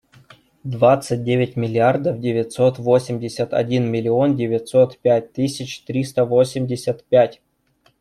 Двадцать девять миллиардов девятьсот восемьдесят один миллион девятьсот пять тысяч триста восемьдесят пять.